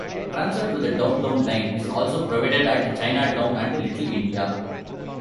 Transfer to the Downtown Line is also provided at Chinatown and Little India.